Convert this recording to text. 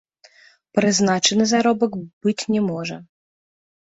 Прызначаны заробак быць не можа.